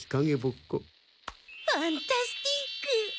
ファンタスティック！